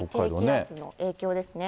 低気圧の影響ですね。